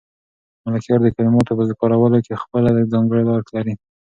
ملکیار د کلماتو په کارولو کې خپله ځانګړې لار لري.